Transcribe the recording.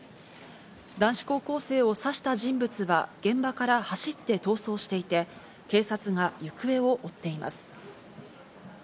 男子高校生を刺した人物は現場から走って逃走していて、警察が行方を追っています。